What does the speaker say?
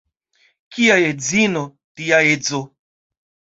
Kia edzino, tia edzo.